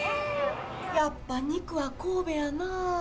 やっぱ肉は神戸やなぁ。